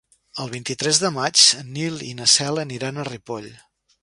El vint-i-tres de maig en Nil i na Cel aniran a Ripoll.